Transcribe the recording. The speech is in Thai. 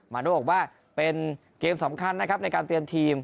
โน่บอกว่าเป็นเกมสำคัญนะครับในการเตรียมทีม